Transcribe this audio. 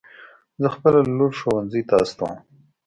زه خپله لور ښوونځي ته استوم